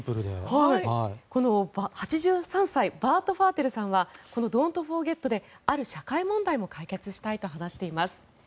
この８３歳バート・ファーテルさんはこのＤｏｎ’ｔＦｏｒｇｅｔである社会問題も解決したいと話しています。